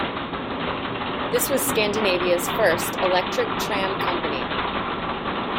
This was Scandinavias first electric tram company.